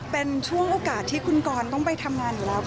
เป็นช่วงโอกาสที่คุณกรต้องไปทำงานอยู่แล้ว